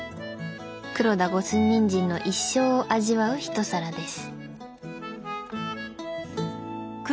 黒田五寸ニンジンの一生を味わう一皿です。